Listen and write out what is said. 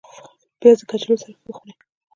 پیاز د کچالو سره ښه خوري